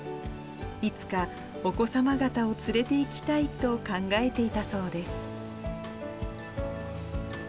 いつかお子さま方を連れていきたいと考えていたそうです。